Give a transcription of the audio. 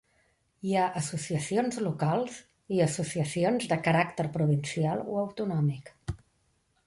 Hi ha associacions locals i associacions de caràcter provincial o autonòmic.